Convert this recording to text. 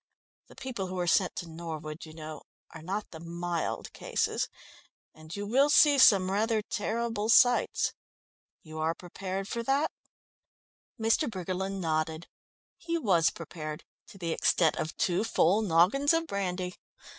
The people who are sent to Norwood, you know, are not the mild cases, and you will see some rather terrible sights. You are prepared for that?" Mr. Briggerland nodded. He was prepared to the extent of two full noggins of brandy.